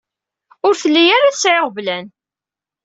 Ur telli ara tesɛa iɣeblan.